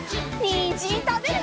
にんじんたべるよ！